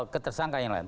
ketersangka yang lain